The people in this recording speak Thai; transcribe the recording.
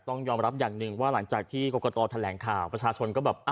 ต้องยอมรับอย่างหนึ่งว่าหลังจากที่กรกตแถลงข่าวประชาชนก็แบบ